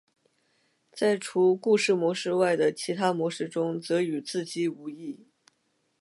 在除故事模式外的其他模式中则与自机无异。